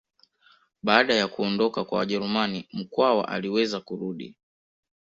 Baada ya kuondoka kwa Wajerumani Mkwawa aliweza kurudi